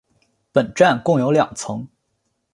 本站共有两层。